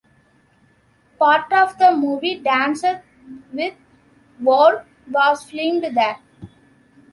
Part of the movie "Dances with Wolves" was filmed there.